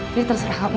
jadi terserah kamu